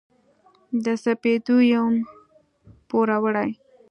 د سپېدو یم پوروړي